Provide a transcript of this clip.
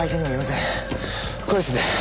これですね。